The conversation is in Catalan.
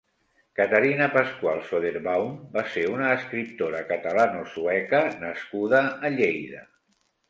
Caterina Pascual Söderbaum va ser una escriptora catalano-sueca nascuda a Lleida.